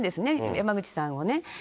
山口さんをね。